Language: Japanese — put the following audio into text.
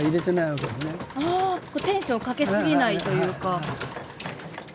テンションをかけすぎないというか。